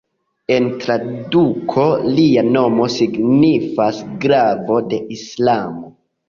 En traduko lia nomo signifas "glavo de Islamo".